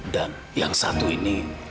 dan yang satu ini